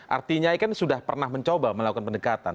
artinya kan sudah pernah mencoba melakukan pendekatan